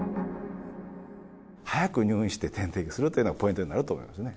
早く入院して点滴するというのがポイントになると思いますね。